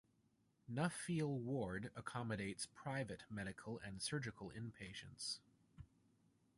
Nuffield ward accommodates private medical and surgical inpatients.